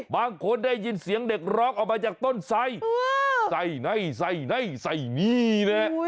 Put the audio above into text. บางคนได้ยินเสียงเด็กเลิกออกมาจากต้นไสไสนี่แหละ